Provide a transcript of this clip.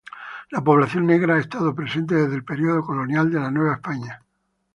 La población negra ha estado presente desde el periodo colonial de la Nueva España.